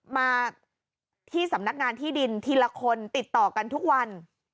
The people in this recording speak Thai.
มาที่สำนักงานที่ดินทีละคนติดต่อกันทุกวัน